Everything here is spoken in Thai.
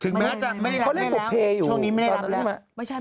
ถึงแม้จะไม่ได้รับเล่นแล้วช่วงนี้ไม่ได้รับแล้ว